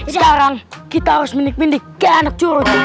sekarang kita harus menikminkan anak curut